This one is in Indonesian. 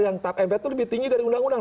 yang tap mpr itu lebih tinggi dari undang undang